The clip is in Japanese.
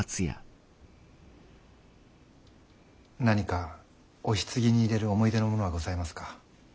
何かお棺に入れる思い出のものはございますか？